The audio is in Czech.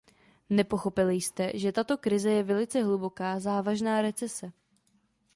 Nepochopili jste, že tato krize je velice hluboká, závažná recese.